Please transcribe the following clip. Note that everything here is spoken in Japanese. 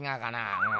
うん。